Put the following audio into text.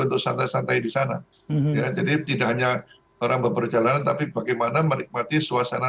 atau santai santai di sana ya jadi tidak hanya orang berperjalanan tapi bagaimana menikmati suasana